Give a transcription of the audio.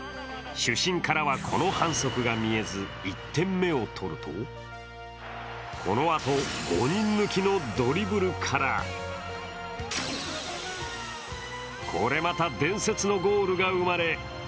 主審からはこの反則が見えず１点目を取るとこのあと、５人抜きのドリブルからこれまた伝説のゴールが生まれ